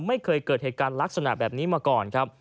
ไม่เคยเกิดเหตุการณ์ลักษณะแบบนี้มาก่อนครับ